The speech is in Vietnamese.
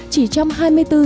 chỉ trong hai mươi bốn h